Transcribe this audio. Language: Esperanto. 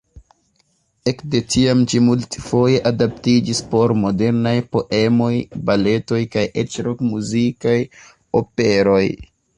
Ekde tiam ĝi multfoje adaptiĝis por modernaj poemoj, baletoj kaj eĉ rok-muzikaj operoj.